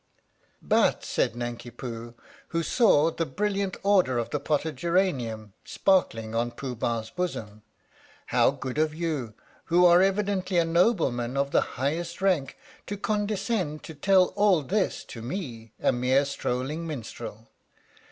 "But," said Nanki Poo, who saw the brilliant Order of the Potted Geranium sparkling on Pooh Bah's bosom, " how good of you, who are evidently a Nobleman of the highest rank, to condescend to tell all this to me, a mere strolling minstrel!